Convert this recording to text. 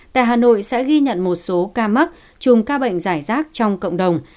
tại hà nội sẽ ghi nhận một số ca mắc chùm ca bệnh giải rác trong cộng đồng